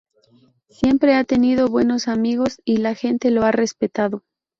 Siempre ha tenido buenos amigos y la gente lo ha respetado.